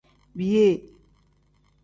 Biyee.